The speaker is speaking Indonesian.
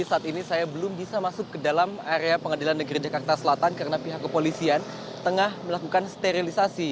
saat ini saya belum bisa masuk ke dalam area pengadilan negeri jakarta selatan karena pihak kepolisian tengah melakukan sterilisasi